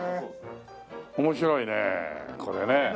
面白いねこれね。